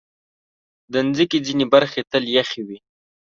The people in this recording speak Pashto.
د مځکې ځینې برخې تل یخې وي.